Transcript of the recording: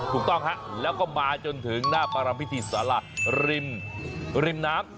ถูกต้องครับแล้วก็มาจนถึงหน้าพารัมพิธีสารริมน้ำ